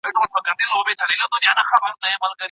کله چې پوهه په خلکو کې خپره شي، ناسم دودونه به پیاوړي نه شي.